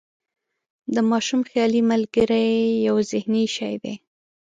د ماشوم خیالي ملګری یو ذهني شی دی.